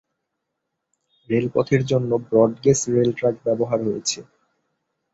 রেলপথের জন্য broad gauge rail track ব্যবহার হয়েছে।